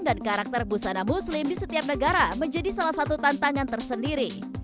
dan karakter busana muslim di setiap negara menjadi salah satu tantangan tersendiri